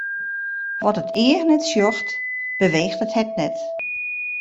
Wat it each net sjocht, beweecht it hert net.